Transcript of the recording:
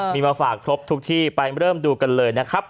มีมาฝากครบทุกที่ไปเริ่มดูกันเลยนะครับ